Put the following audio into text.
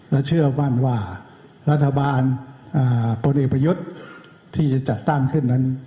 และเชื่อมั่นว่ารัฐบาลพลเอกประยุทธ์ที่จะจัดตั้งขึ้นนั้น